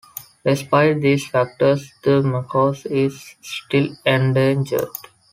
Despite these factors, the markhor is still endangered.